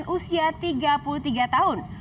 usia tiga puluh tiga tahun